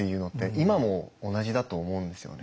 今も同じだと思うんですよね。